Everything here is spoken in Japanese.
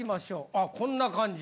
あこんな感じ。